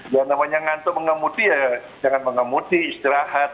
yang namanya ngantuk pengemudi ya jangan pengemudi istirahat